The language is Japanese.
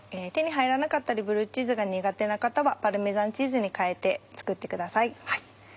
手に入らなかったりブルーチーズが苦手な方はパルメザンチーズに代えて作ってください。